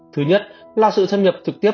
thứ nhất là sự thâm nhập thực tiếp